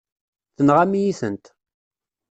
Tenɣam-iyi-tent.